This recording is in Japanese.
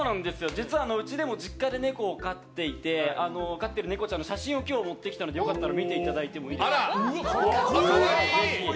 実は、うちでも実家でネコを飼っていて飼ってるネコちゃんの写真を今日、もってきたのでよかったら見ていただいてもいいですか。